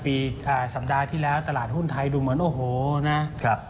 สัปดาห์ที่แล้วตลาดหุ้นไทยดูเหมือนโอ้โหนะครับ